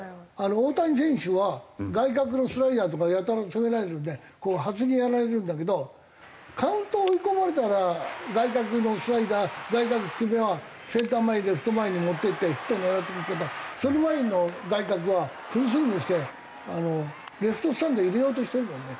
大谷選手は外角のスライダーとかやたら攻められるのでこうはすにやられるんだけどカウント追い込まれたら外角のスライダー外角低めはセンター前レフト前に持っていってヒット狙っていくけどそれまでの外角はフルスイングしてレフトスタンド入れようとしてるもんね。